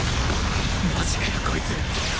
マジかよこいつ